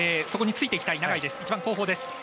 そこについていきたい永井です。